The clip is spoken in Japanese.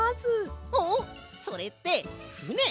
あっそれってふね？